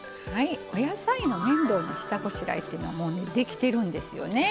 お野菜の面倒な下ごしらえっていうのはもうできてるんですよね。